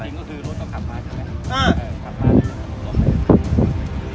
อันนี้ผมไม่รู้ว่าถนนหลวงหรือถนนอะไร